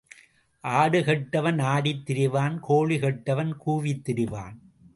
ஆடு கெட்டவன் ஆடித் திரிவான் கோழி கெட்டவன் கூவித் திரிவான்.